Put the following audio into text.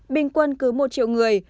bình quân cứ một triệu người